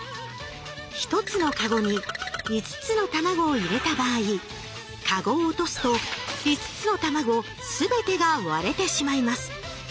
１つのカゴに５つの卵を入れた場合カゴを落とすと５つの卵すべてが割れてしまいます。